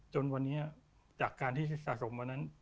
จนวันนี้จากการที่สะสมวันนั้น